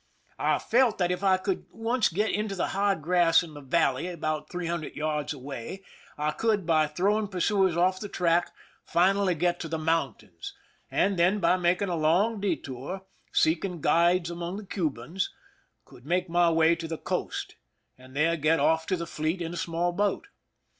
I felt that if I could once get into the high grass in the valley about three hundred yards away, I could, by throwing pursuers off the track, finally get to the mountains, and then, by making a long detoui', seeking guides among the Cubans, could make my way to the coast, and there get off to the fleet in a small boat.